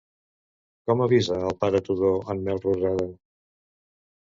Com avisa al pare Tudó en Melrosada?